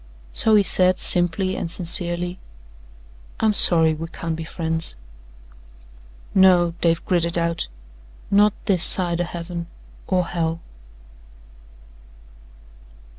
So he said simply and sincerely: "I'm sorry we can't be friends." "No," Dave gritted out, "not this side o' Heaven or Hell."